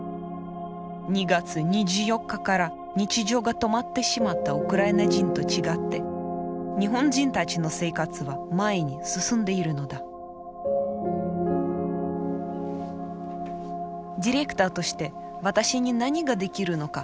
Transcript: ２月２４日から日常が止まってしまったウクライナ人と違って日本人たちの生活は前に進んでいるのだディレクターとして私に何ができるのか。